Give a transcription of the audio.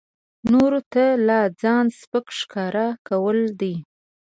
نورو ته لا ځان سپک ښکاره کول دي.